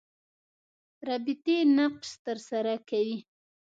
ربطي نقش تر سره کوي.